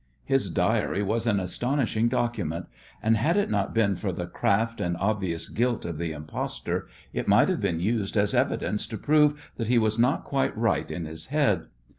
His diary was an astonishing document, and had it not been for the craft and obvious guilt of the impostor it might have been used as evidence to prove that he was not quite right in his head.